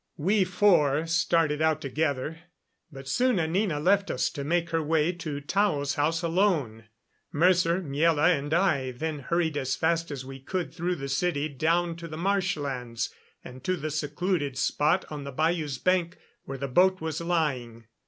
We four started out together, but soon Anina left us to make her way to Tao's house alone. Mercer, Miela and I then hurried as fast as we could through the city down to the marshlands, and to the secluded spot on the bayou's bank where the boat was lying.